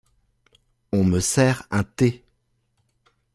On me sert un thé.